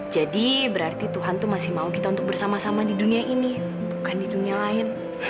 berarti tuhan itu masih mau kita untuk bersama sama di dunia ini bukan di dunia lain